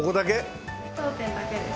当店だけです。